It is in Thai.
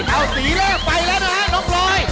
ก็เสียแล้วไปแล้วนะลงบลอย